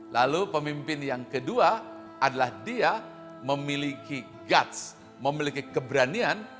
lalu pemimpin yang kedua adalah dia memiliki guts memiliki keberanian